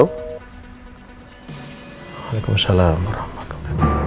waalaikumsalam warahmatullahi wabarakatuh